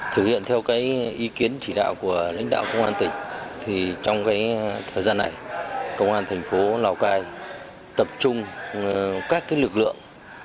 thực hiện theo ý kiến chỉ đạo của lãnh đạo công an tỉnh trong thời gian này công an thành phố lào cai tập trung các lực lượng